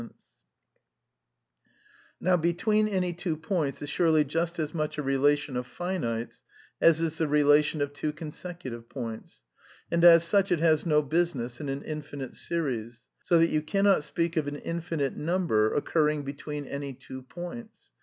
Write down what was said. THE NEW KEALISM 227 Now between any two points " is surely just as much a relation of finites as is the relation of two consecutive points ; and as such it has no business in an infinite series ; so that you cannot speak of an infinite number occurring between any two points.